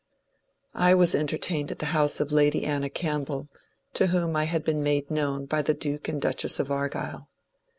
I was entertained at the house of Lady Anna Campbell, to whom I had been made known by the Duke and Duchess of Argyll.